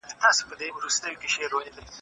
د اوبو مینځل د باکتریاوو یوه برخه له منځه وړي.